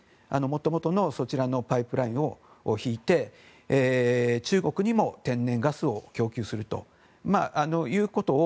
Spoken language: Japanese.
もともとのそちらのパイプラインを引いて中国にも天然ガスを供給するということを